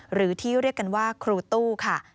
หรือที่เรียกกันว่าครูตู้ค่ะ